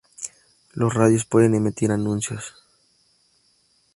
Las radios no pueden emitir anuncios.